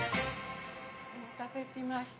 お待たせしました。